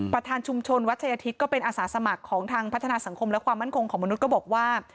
ประธานชุมชนวัชยทิศก็เป็นอาสาสมัครของทางพัฒนาสังคมและความมั่นคงของมนุษย์ก็บอกว่า